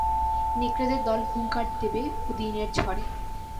নেকড়েদের দল হুংকার দেবে ওদিনের ঝড়ে।